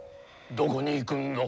どこに行くんだ？